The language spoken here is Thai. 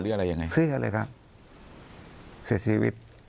เสียอะไรแล้ว